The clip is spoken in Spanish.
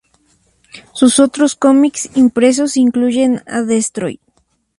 Sus otros cómics impresos incluyen a Destroy!!